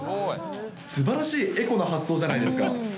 すばらしいエコな発想じゃないですか。